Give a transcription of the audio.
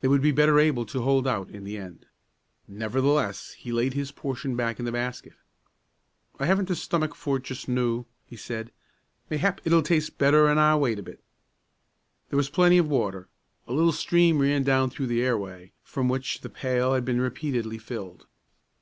They would be better able to hold out in the end. Nevertheless, he laid his portion back in the basket. "I haven't the stomach for it just noo," he said. "Mayhap it'll taste better an' I wait a bit." There was plenty of water. A little stream ran down through the airway, from which the pail had been repeatedly filled.